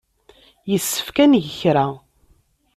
Yessefk ad neg kra.